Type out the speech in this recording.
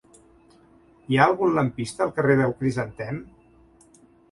Hi ha algun lampista al carrer del Crisantem?